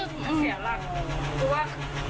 เสียหลัก